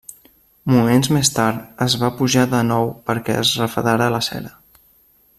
Moments més tard, els va pujar de nou perquè es refredara la cera.